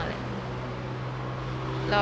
เหล่ะ